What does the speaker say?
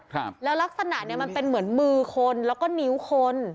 ครับแล้วลักษณะเนี้ยมันเป็นเหมือนมือคนแล้วก็นิ้วคน